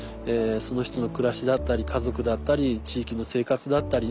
その人の暮らしだったり家族だったり地域の生活だったり。